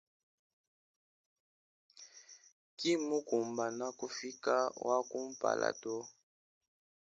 Kimukumbana kufika wakumpala to.